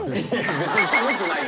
別に寒くないよ。